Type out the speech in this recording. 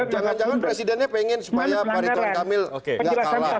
jangan jangan presidennya pengen supaya pak rituan kamil gak kalah